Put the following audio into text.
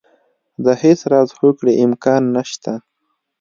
د هېڅ راز هوکړې امکان نه شته.